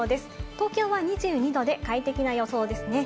東京は２２度で快適な予想ですね。